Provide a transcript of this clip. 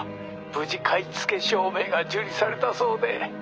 無事買付証明が受理されたそうで。